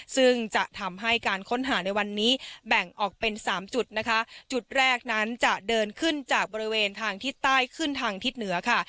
ซึ่งจะทำให้การค้นหาในวันนี้แบ่งออกเป็นสามจุดนะคะจุดแรกนั้นจะเดินขึ้นจากบริเวณทางทิศใต้ขึ้นทางทิศเหนือค่ะ